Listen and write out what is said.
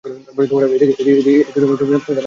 এদিকে কেউ জানত না তারা নিখোঁজ।